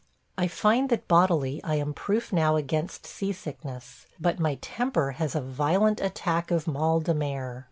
I find that bodily I am proof now against seasickness, but my temper has a violent attack of mal de mer.